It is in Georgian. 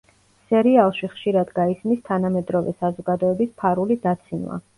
სერიალში ხშირად გაისმის თანამედროვე საზოგადოების ფარული დაცინვა.